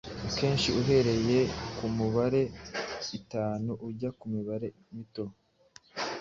Akenshi uhereye kumibare itanu ujya mumibare mito